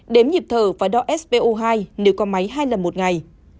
đếm nhịp thở và đo spu hai nếu có máy hai lần một ngày